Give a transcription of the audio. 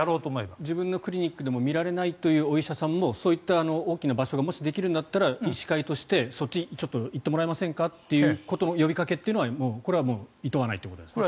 自分のクリニックでも診られないというお医者さんもそういう大きな場所がもしできるなら医師会としてそっちに行ってもらえませんかという呼びかけはもういとわないということですね。